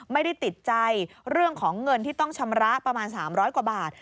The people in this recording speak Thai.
ไม่ได้ติดใจเรื่องของเงินที่ต้องชำระประมาณ๓๐๐กว่าบาท